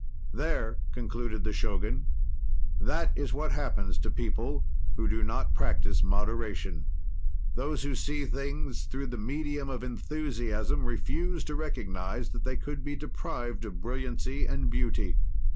There, concluded the Shogun, that is what happens to people who do not practise moderation. Those, who see things through the medium of enthusiasm refuse to recognize that they could be deprived of brilliancy and beauty.